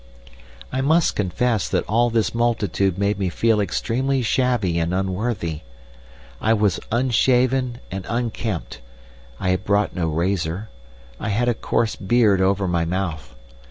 "I must confess that all this multitude made me feel extremely shabby and unworthy. I was unshaven and unkempt; I had brought no razor; I had a coarse beard over my mouth.